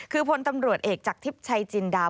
คือพลตำรวจเอกจากทิพย์ชัยจินดา